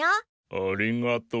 ありがとう。